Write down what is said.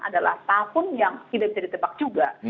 adalah tahun yang tidak bisa ditebak juga